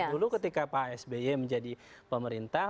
dulu ketika pak sby menjadi pemerintah